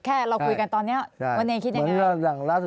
เราคุยกันตอนนี้วันนี้คิดยังไง